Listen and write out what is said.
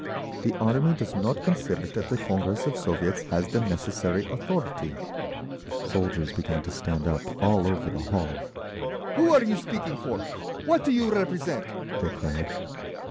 "The Army does not consider that the Congress of Soviets has the necessary authority—" Soldiers began to stand up all over the hall. "Who are you speaking for? What do you represent?" they cried.